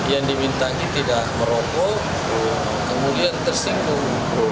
yang dimintai tidak merokok kemudian tersinggung